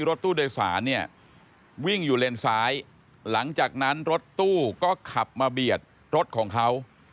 รถตู้โดยสารเนี่ยวิ่งอยู่เลนซ้ายหลังจากนั้นรถตู้ก็ขับมาเบียดรถของเขา